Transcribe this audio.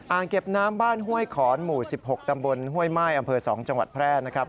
เก็บน้ำบ้านห้วยขอนหมู่๑๖ตำบลห้วยม่ายอำเภอ๒จังหวัดแพร่นะครับ